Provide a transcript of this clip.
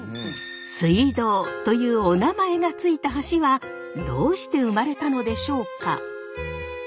水道というおなまえが付いた橋はどうして生まれたのでしょうか？